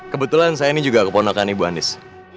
kebetulan saya ini juga keponokan ibu andis